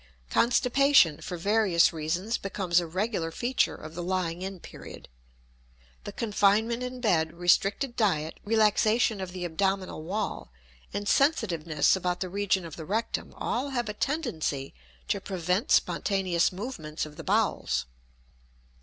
Constipation, for various reasons, becomes a regular feature of the lying in period. The confinement in bed, restricted diet, relaxation of the abdominal wall, and sensitiveness about the region of the rectum, all have a tendency to prevent spontaneous movements of the bowels.